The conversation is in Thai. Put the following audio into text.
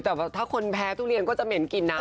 แต่ถ้าคนแพ้ทุเรียนก็จะเหม็นกลิ่นนะ